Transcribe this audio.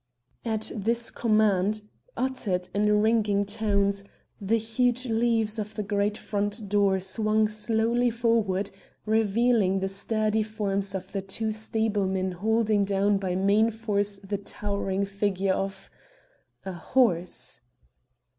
At this command, uttered in ringing tones, the huge leaves of the great front door swung slowly forward, revealing the sturdy forms of the two stablemen holding down by main force the towering figure of a horse!